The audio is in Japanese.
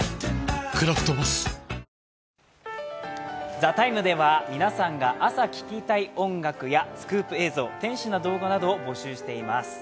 「ＴＨＥＴＩＭＥ，」では皆さんが朝聴きたい音楽やスクープ映像、天使な動画などを募集しています。